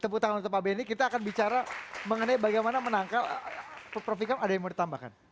tepuk tangan untuk pak benny kita akan bicara mengenai bagaimana menangkal prof ikam ada yang mau ditambahkan